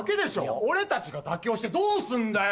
俺たちが妥協してどうすんだよ！